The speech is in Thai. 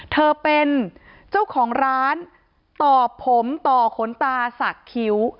เธอเป็นเจ้าของร้านตอบผมต่อขนตาสักคิ้ว